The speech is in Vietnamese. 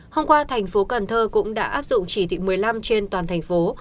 hôm qua thành phố cần thơ cũng đã áp dụng chỉ thị một mươi năm trên toàn thành phố